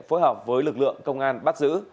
đối hợp với lực lượng công an bắt giữ